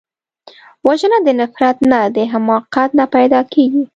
وژنه د نفرت نه، د حماقت نه پیدا کېږي